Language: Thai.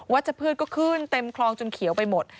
ชัพพืชก็ขึ้นเต็มคลองจนเขียวไปหมด